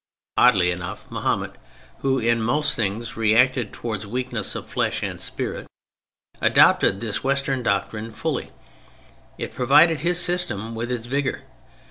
Oddly enough, Mahomet, who in most things reacted towards weakness of flesh and spirit, adopted this Western doctrine fully; it provided his system with its vigor.